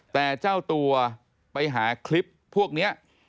แต่เจ้าตัวไปหาคลิปพวกนี้